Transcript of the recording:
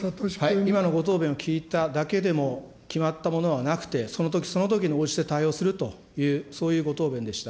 今のご答弁を聞いただけでも、決まったものはなくて、そのときそのときに応じて対応するという、そういうご答弁でした。